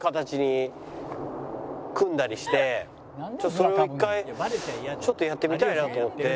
それを一回ちょっとやってみたいなと思って。